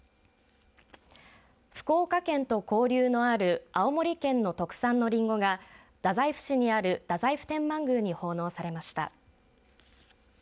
福岡県と交流のある青森県の特産のりんごが太宰府市にある太宰府天満宮に奉納されました。